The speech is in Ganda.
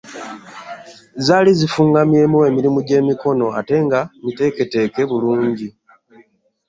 Zali zifungamyemu emirimu egy'emikono ate nga miteeketeeke bulungi.